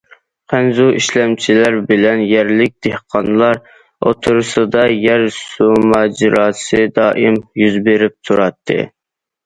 خەنزۇ ئىشلەمچىلەر بىلەن يەرلىك دېھقانلار ئوتتۇرىسىدا يەر، سۇ ماجىراسى دائىم يۈز بېرىپ تۇراتتى.